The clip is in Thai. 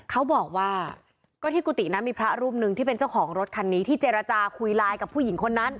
เขาบอกว่าก็ที่กุฏินั้นมีพระรูปหนึ่งที่เป็นเจ้าของรถคันนี้ที่เจรจาคุยไลน์กับผู้หญิงคนนั้น